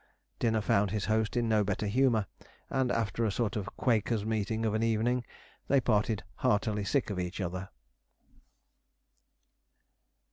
Dinner found his host in no better humour, and after a sort of Quakers' meeting of an evening, they parted heartily sick of each other.